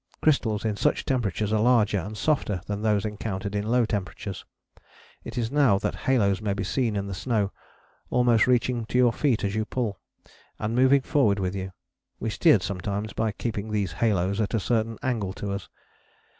Crystals in such temperatures are larger and softer than those encountered in low temperatures. It is now that halos may be seen in the snow, almost reaching to your feet as you pull, and moving forward with you: we steered sometimes by keeping these halos at a certain angle to us.